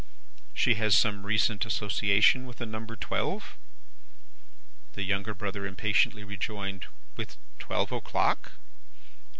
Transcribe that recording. "'She has some recent association with the number twelve?' "The younger brother impatiently rejoined, 'With twelve o'clock?